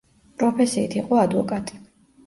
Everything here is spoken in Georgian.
პროფესიით იყო ადვოკატი.